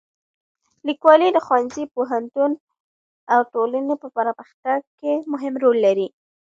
لیکوالی د ښوونځي، پوهنتون او ټولنې په پرمختګ کې مهم رول لري.